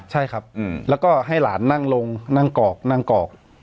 ใช่ครับแล้วก็ให้หลานนั่งลงนั่งกอกนั่งกอก